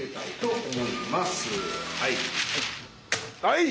はい！